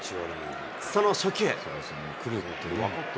その初球。